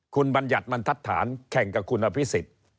คุณบรรยัตมันทัดฐานแข่งกับคุณอภิษฐ